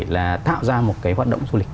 là tạo ra một cái hoạt động du lịch